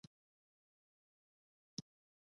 د افغانستان د شاته پاتې والي یو ستر عامل د اوبو کمښت دی.